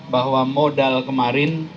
bahwa modal kemarin